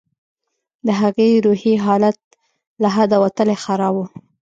د هغې روحي حالت له حده وتلى خراب و.